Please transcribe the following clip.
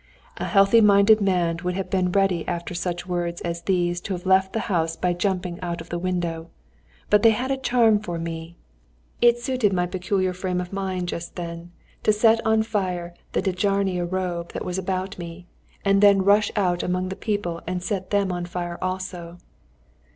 A healthy minded man would have been ready after such words as these to have left the house by jumping out of the window; but they had a charm for me. It suited my peculiar frame of mind just then to set on fire the Dejanira robe that was about me, and then rush out among the people and set them on fire also.